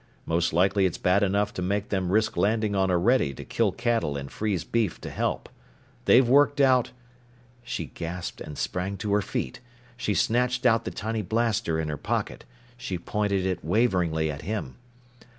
Most likely it's bad enough to make them risk landing on Orede to kill cattle and freeze beef to help. They've worked out " She gasped and sprang to her feet. She snatched out the tiny blaster in her pocket. She pointed it waveringly at him.